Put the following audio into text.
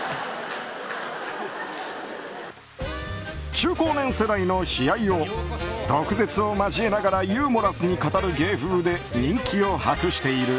中高年世代の悲哀を毒舌を交えながらユーモラスに語る芸風で人気を博している